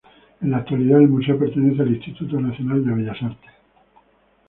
En la actualidad el museo pertenece al Instituto Nacional de Bellas Artes.